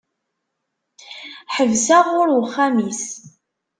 Ḥebseɣ ɣur uxxam-is.